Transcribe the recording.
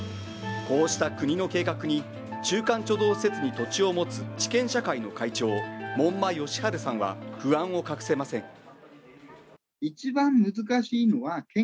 こうした国の計画に中間貯蔵施設に土地を持つ地権者会の会長、門馬好春さんは不安を隠せません。